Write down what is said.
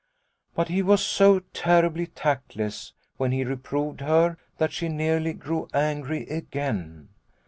But he was so terribly tactless, when he reproved her, that she nearly grew angry again.